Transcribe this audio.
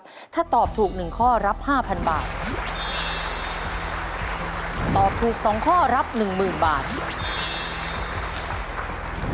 จากจังหวัดพัทธรุงจะสามารถพิชิตเงินล้านกลับไปบ้านได้หรือไม่นะครับ